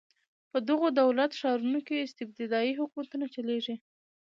په دغو دولت ښارونو کې استبدادي حکومتونه چلېدل.